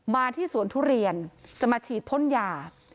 มาที่สวนทุเรียนจะมาฉีดพ่นยา